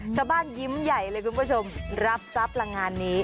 ชาวบ้านยิ้มใหญ่เลยคุณผู้ชมรับทรัพย์รางงานนี้